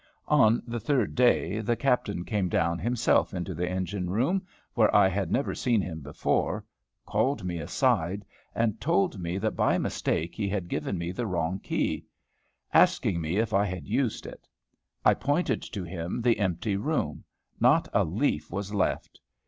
On the third day the captain came down himself into the engine room, where I had never seen him before, called me aside, and told me that by mistake he had given me the wrong key; asking me if I had used it. I pointed to him the empty room: not a leaf was left.